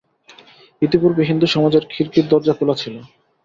ইতিপূর্বে হিন্দুসমাজের খিড়কির দরজা খোলা ছিল।